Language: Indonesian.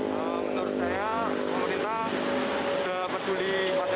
bagaimana menurut anda